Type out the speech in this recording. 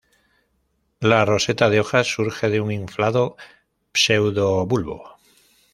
La roseta de hojas surge de un inflado pseudobulbo.